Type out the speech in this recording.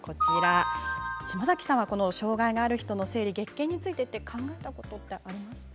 島崎さんは、この障害がある人の生理、月経について考えたことありますか？